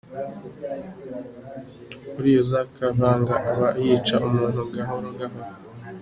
Uriya uza akavanga aba yica umuntu gahoro gahoro.